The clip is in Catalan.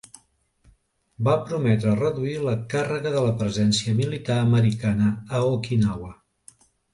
Va prometre reduir la càrrega de la presència militar americana a Okinawa.